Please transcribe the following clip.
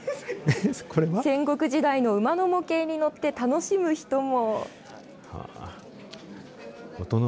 戦国時代の馬の模型に乗って楽しむ人も。